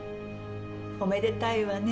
おめでたいわね。